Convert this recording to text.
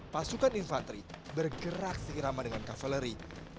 pasukan infanteri bergerak sekirama dengan kaveleri